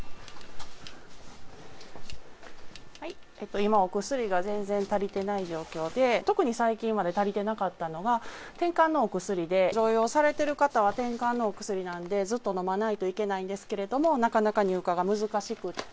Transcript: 今、お薬が全然足りてない状況で、特に最近まで足りてなかったのが、てんかんのお薬で、常用されてる方は、てんかんのお薬なんで、ずっと飲まないといけないんですけれども、なかなか入荷が難しくって。